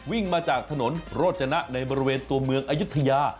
วิ่งมาจากถนนโรจนะในบริเวณตัวเมืองอายุทยา